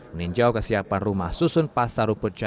meninjau kesiapan rumah susun pasar ruput jakarta